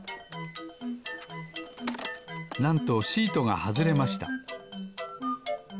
なんとシートがはずれました。